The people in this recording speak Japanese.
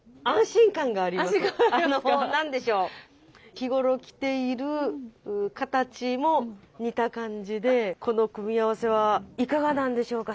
日頃着ている形も似た感じでこの組み合わせはいかがなんでしょうか？